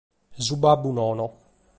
Su babbu nono.